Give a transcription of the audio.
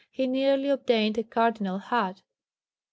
he nearly obtained a Cardinal's hat.